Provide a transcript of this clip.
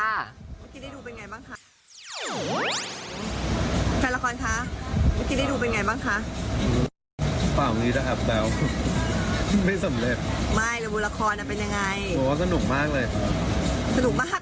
หมายคืออย่างนี้